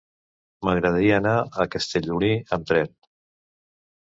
M'agradaria anar a Castellolí amb tren.